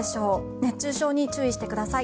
熱中症に注意してください。